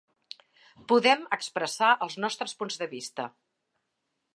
Podem expressar els nostres punts de vista.